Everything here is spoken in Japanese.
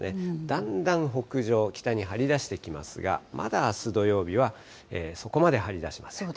だんだん北上、北に張り出してきますが、まだあす土曜日はそこまで張り出しません。